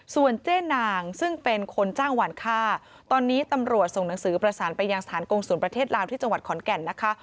ส่วนเจ๊นางซึ่งเป็นคนจ้างหวานฆ่าตอนนี้ตำรวจส่งหนังสือประสานไปยังสถานกงศูนย์ประเทศลาวที่จังหวัดขอนแก่นนะคะ